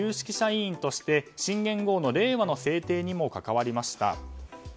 委員として新元号の令和の制定にも関わりました。